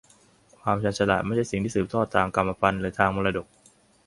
ความชาญฉลาดไม่ใช่สิ่งที่สืบทอดทางกรรมพันธุ์หรือทางมรดก